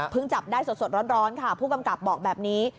จับได้สดร้อนค่ะผู้กำกับบอกแบบนี้